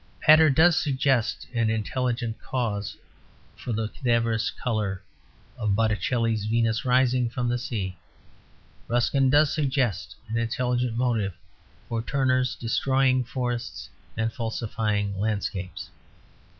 Pater does suggest an intelligent cause for the cadaverous colour of Botticelli's "Venus Rising from the Sea." Ruskin does suggest an intelligent motive for Turner destroying forests and falsifying landscapes.